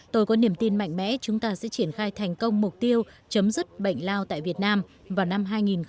tôi có niềm tin mạnh mẽ chúng ta sẽ triển khai thành công mục tiêu chấm dứt bệnh lao tại việt nam vào năm hai nghìn ba mươi